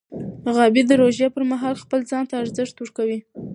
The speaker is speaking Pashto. غابي د روژې پر مهال خپل ځان ته ارزښت ورکوي.